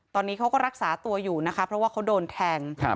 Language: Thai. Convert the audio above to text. ตอนนี้เขาก็รักษาตัวอยู่นะคะเพราะว่าเขาโดนแทง